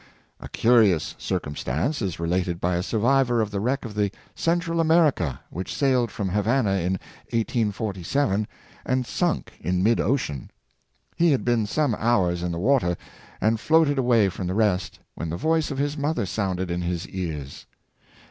A curious circumstance is related by a survivor of the wreck of the " Central America," which sailed from Havana in 1847, and sunk in mid ocean. He had been some hours in the water, and had floated away from the rest, when the voice of his mother sounded in his ears.